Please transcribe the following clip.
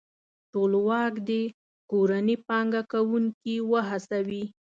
ټولواک دې کورني پانګوونکي وهڅوي.